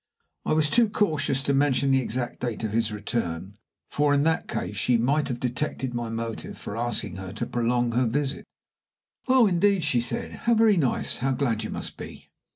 I was too cautious to mention the exact date of his return, for in that case she might have detected my motive for asking her to prolong her visit. "Oh, indeed?" she said. "How very nice. How glad you must be."